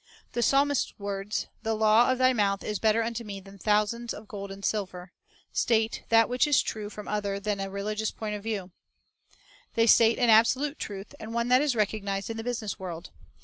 The psalmist's words, " The law of Thy mouth is better unto me than thousands of gold and silver," 1 state that which is true from other than a religious point of view. They state an absolute truth, and one that is recognized in the business world.